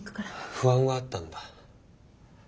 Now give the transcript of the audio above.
不安はあったんだ。